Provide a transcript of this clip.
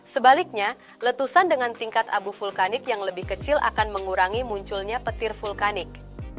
sebaliknya letusan dengan tingkat abu vulkanik yang lebih kecil akan mengurangi munculnya petir vulkanik